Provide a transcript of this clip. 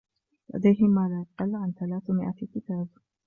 لديه ما لا يقل عن ثلاثمئة كتاب.